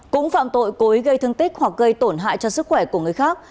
cũng phạm tội cố ý gây thương tích hoặc gây tổn hại cho sức khỏe của người khác